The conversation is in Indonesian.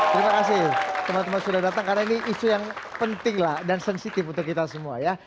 terima kasih teman teman sudah datang karena ini isu yang penting lah dan sensitif untuk kita semua ya